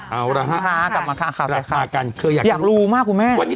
เอาล่ะค่ะกลับมาค่ะค่ะมากันเคยอยากอยากรู้มากคุณแม่วันนี้